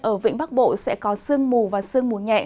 ở vĩnh bắc bộ sẽ có sương mù và sương mù nhẹ